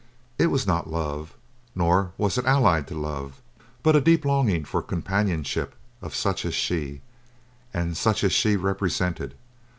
It was not love, nor was it allied to love, but a deep longing for companionship of such as she, and such as she represented.